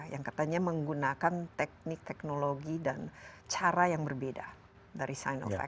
yang katanya menggunakan teknik teknologi dan cara yang berbeda dari sinovac